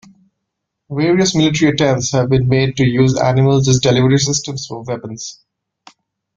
Various military attempts have been made to use animals as delivery systems for weapons.